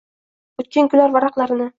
“Oʻtgan kunlar” varaqlarini